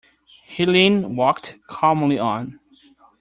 Helene walked calmly on.